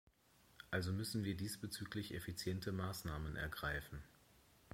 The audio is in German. Also müssen wir diesbezüglich effiziente Maßnahmen ergreifen.